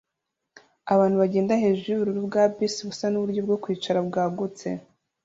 Abantu bagenda hejuru yubururu bwa bus busa nuburyo bwo kwicara bwagutse